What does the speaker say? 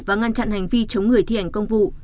và ngăn chặn hành vi chống người thi hành công vụ